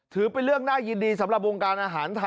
ถือเป็นเรื่องน่ายินดีสำหรับวงการอาหารไทย